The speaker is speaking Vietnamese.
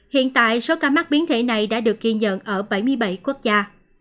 hiện tại số ca mắc biến thể này đã được ghi nhận ở bảy mươi bảy quốc gia